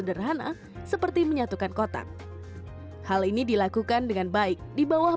dengan mengyyjagoh banyak pribadi kekontrol operasi yang dikendalikan oleh menggunakan robot safegci l above